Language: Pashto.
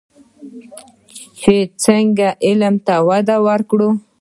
چې څنګه علم ته وده ورکړو.